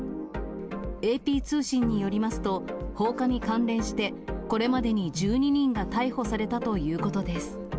ＡＰ通信によりますと、放火に関連して、これまでに１２人が逮捕されたということです。